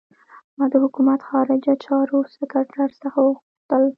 ما د حکومت خارجه چارو سکرټر څخه وغوښتل.